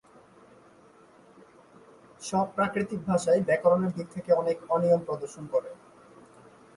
সব প্রাকৃতিক ভাষাই ব্যাকরণের দিক থেকে অনেক অনিয়ম প্রদর্শন করে।